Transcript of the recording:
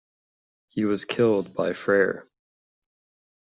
He was killed by Freyr.